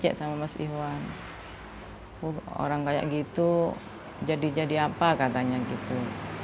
orang kayak gitu jadi jadi apa katanya gitu